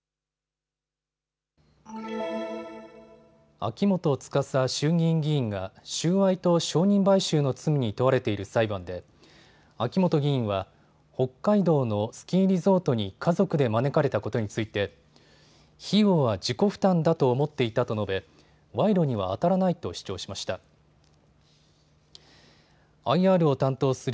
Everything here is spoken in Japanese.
秋元司衆議院議員が収賄と証人買収の罪に問われている裁判で秋元議員は北海道のスキーリゾートに家族で招かれたことについて費用は自己負担だと思っていたと述べ賄賂にはあたらないと主張しました。